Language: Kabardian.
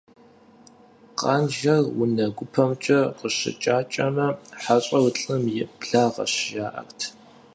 Къанжэр унэ гупэмкӀэ къыщыкӀакӀэмэ, хьэщӀэр лӀым и благъэщ, жаӀэрт.